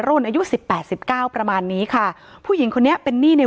ร่นอายุ๑๘๑๙ประมาณนี้ค่ะผู้หญิงคนเนี้ยเป็นหนี้ใน